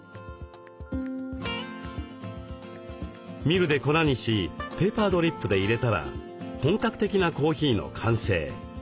ミルで粉にしペーパードリップでいれたら本格的なコーヒーの完成。